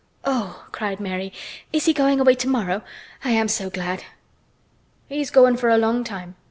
"Oh!" cried Mary, "is he going away tomorrow? I am so glad!" "He's goin' for a long time.